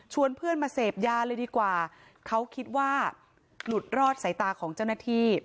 เพื่อนมาเสพยาเลยดีกว่าเขาคิดว่าหลุดรอดสายตาของเจ้าหน้าที่